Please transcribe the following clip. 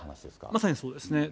まさにそうですね。